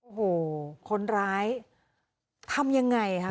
โอ้โฮคนร้ายทำอย่างไรค่ะ